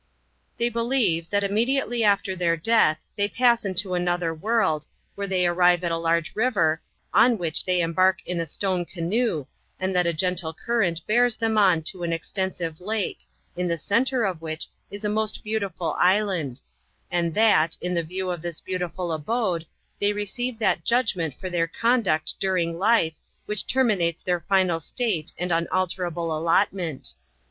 They believe, that immediately after their death, they pass into another world, where they arrive at a large river, on which they embark in a stone canoe, and that a gentle cur rent bears them on to an extensive lake, in the centre of which is a most beautiful island; and that, in the view of this delightful abode, they receive that judgment for their conduct during life, which terminates their final state and unalterable allotment.